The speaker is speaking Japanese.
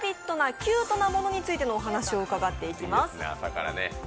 キュートなものについて伺っていきます。